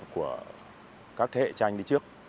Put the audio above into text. của các thế hệ trang nhân dân đi trước